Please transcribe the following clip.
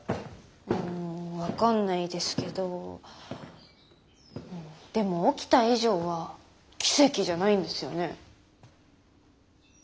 うん分かんないですけどでも起きた以上は奇跡じゃないんですよね。